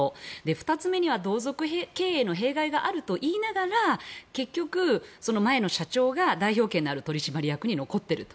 ２つ目には同族経営の弊害があるといいながら結局、前の社長が代表権のある取締役に残っていると。